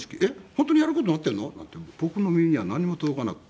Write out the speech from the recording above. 本当にやる事になっているの？」なんて僕の耳には何も届かなくて。